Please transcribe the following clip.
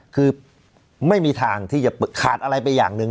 คือไม่มีทางที่จะขาดอะไรไปอย่างหนึ่ง